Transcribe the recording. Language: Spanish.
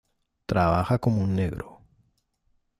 Trabaja como un negro